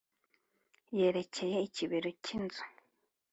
yerekera ikibero cy' inzu